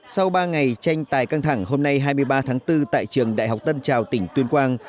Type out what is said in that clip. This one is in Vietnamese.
sau ba ngày tranh tài căng thẳng hôm nay hai mươi ba tháng bốn tại trường đại học tân trào tỉnh tuyên quang